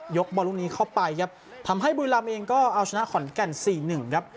บอลลูกนี้เข้าไปครับทำให้บุรีรำเองก็เอาชนะขอนแก่นสี่หนึ่งครับ